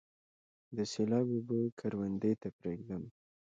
د سیلاب اوبه کروندې ته پریږدم؟